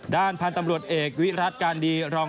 ด้านพันธุ์ตำรวจเอกวิรัติการดีรอง